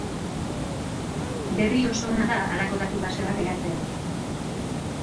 Berri oso ona da halako datu base bat eratzea.